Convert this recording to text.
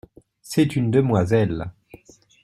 C'est une demoiselle.